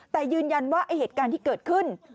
แต่ยืนยันว่าไอ้เหตุการณ์ที่เกิดขึ้น